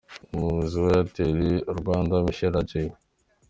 Umuyobozi wa Airtel Rwanda Michael Adjei.